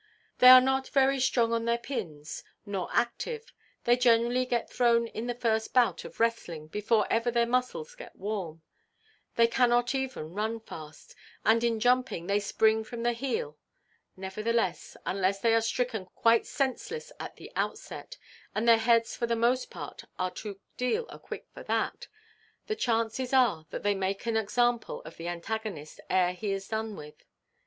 They are not very "strong on their pins," nor active; they generally get thrown in the first bout of wrestling before ever their muscles get warm; they cannot even run fast, and in jumping they spring from the heel; nevertheless, unless they are stricken quite senseless at the outset—and their heads for the most part are a deal too thick for that—the chances are that they make an example of the antagonist ere he is done with.